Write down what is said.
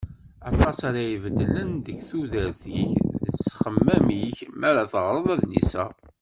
Aṭas ara ibeddlen deg tudert-ik d ttexmam-ik mi ara teɣreḍ adlis-a.